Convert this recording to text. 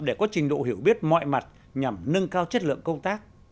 để có trình độ hiểu biết mọi mặt nhằm nâng cao chất lượng công tác